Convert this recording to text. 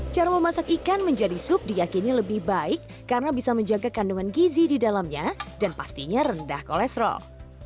cara memasak ikan menjadi sup diakini lebih baik karena bisa menjaga kandungan gizi di dalamnya dan pastinya rendah kolesterol